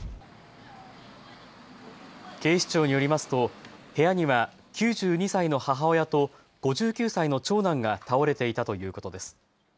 警視庁によりますと部屋には９２歳の母親と５９歳の長男が倒れていたということです。